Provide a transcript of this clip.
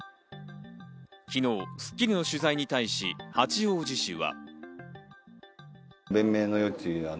昨日『スッキリ』の取材に対し八王子市は。